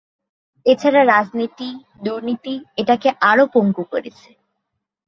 এছাড়া রাজনীতি, দূর্নীতি এটাকে আরো পঙ্গু করছে।